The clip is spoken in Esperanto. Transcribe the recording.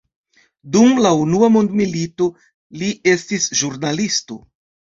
Dum la Unua mondmilito, li estis ĵurnalisto.